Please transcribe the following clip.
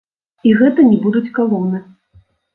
І гэта не будуць калоны.